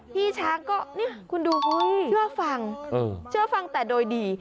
พี่ช้างก็นี่คุณดูเชื่อฟังแต่โดยดี